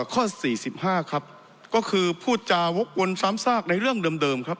ข้อสี่สิบห้าครับก็คือผู้จาวกวนสามซากในเรื่องเดิมเดิมครับ